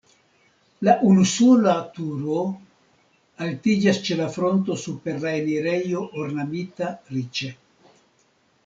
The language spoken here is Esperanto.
La unusola turo altiĝas ĉe la fronto super la enirejo ornamita riĉe.